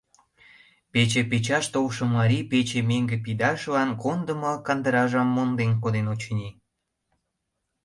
Пече печаш толшо марий пече меҥге пидашлан кондымо кандыражым монден коден, очыни.